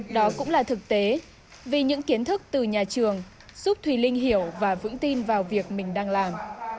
đó cũng là thực tế vì những kiến thức từ nhà trường giúp thùy linh hiểu và vững tin vào việc mình đang làm